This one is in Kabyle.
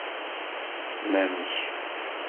Mamk?